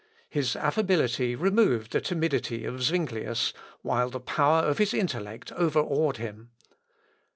His affability removed the timidity of Zuinglius, while the power of his intellect overawed him.